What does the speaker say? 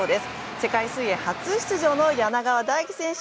世界水泳初出場の柳川大樹選手。